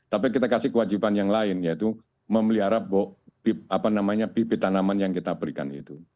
tapi kita kasih kewajiban yang lain yaitu memelihara bibit tanaman yang kita berikan itu